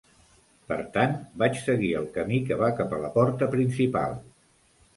Per tant, vaig seguir el camí que va cap a la porta principal.